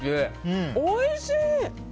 おいしい！